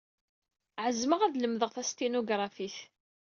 Ɛezmeɣ ad lemdeɣ tastinugṛafit.